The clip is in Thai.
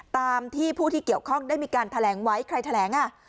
ตามที่ผู้ที่เกี่ยวข้องได้มีการแถลงไว้ใครแถลง